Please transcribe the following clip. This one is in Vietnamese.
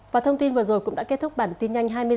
và thông tin vừa rồi cũng đã kết thúc bản tin nhanh hai mươi h